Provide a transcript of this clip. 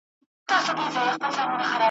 دواړي زامي یې له یخه رېږدېدلې `